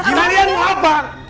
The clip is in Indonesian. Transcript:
kalian mau apa